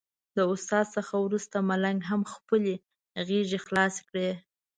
د استاد څخه وروسته ملنګ هم خپلې غېږې خلاصې کړې.